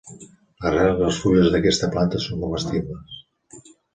L'arrel i les fulles d'aquesta planta són comestibles.